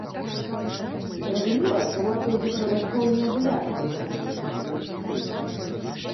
Зразумела, гаворка ідзе пра бацькоў, неабыякавых да будучыні сваіх дзяцей.